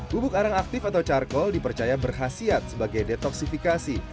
bubuk arang aktif atau charcoal dipercaya berhasiat sebagai detoksifikasi